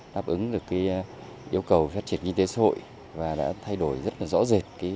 đáp ứng được yêu cầu phát triển kinh tế xã hội và đã thay đổi rất là rõ rệt